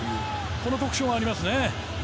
この特徴がありますね。